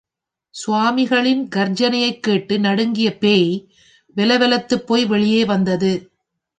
சுவாமிகளின் கர்ஜனையைக் கேட்டு நடுங்கிய பேய், வெல வெலத்துப் போய் வெளியே வந்தது.